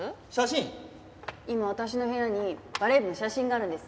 今私の部屋にバレー部の写真があるんです。